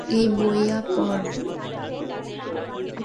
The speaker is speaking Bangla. এ বইয়া পর।